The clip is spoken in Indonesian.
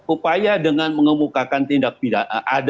upaya dengan mengemukakan tindak pidana